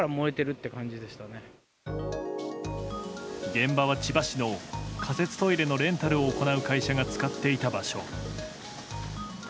現場は千葉市の仮設トイレのレンタルを行う会社が使っていた場所。